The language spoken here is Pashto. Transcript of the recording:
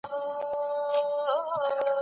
مواد به ډېر ژر منظم سي.